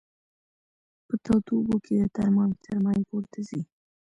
په تودو اوبو کې د ترمامتر مایع پورته ځي.